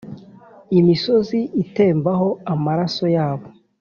imisozi itembeho amaraso yabo.